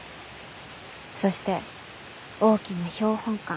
そして大きな標本館。